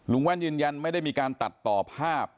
แว่นยืนยันไม่ได้มีการตัดต่อภาพ